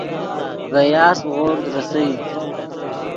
ڤے یاسپ غورد ریسئے